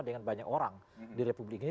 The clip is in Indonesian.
dengan banyak orang di republik ini